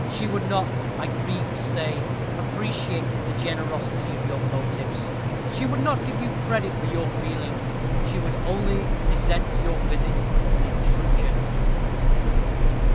She would not, I grieve to say, appreciate the generosity of your motives. She would not give you credit for your feelings. She would only resent your visit as an intrusion."